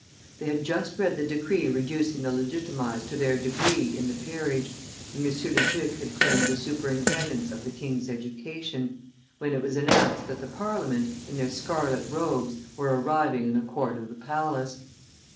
They had just read the decree reducing the legitimatized to their degree in the peerage, and M. le Duc had claimed the superintendence of the king's education, when it was announced that the Parliament, in their scarlet robes, were arriving in the court of the palace.